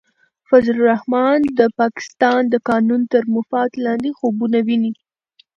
فضل الرحمن د پاکستان د قانون تر مفاد لاندې خوبونه ویني.